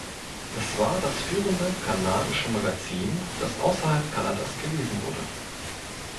Es war das führende kanadische Magazin, das außerhalb Kanadas gelesen wurde.